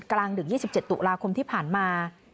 กลางดึก๒๗ตุลาคมที่ผ่านมา